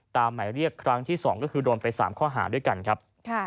หมายเรียกครั้งที่๒ก็คือโดนไป๓ข้อหาด้วยกันครับ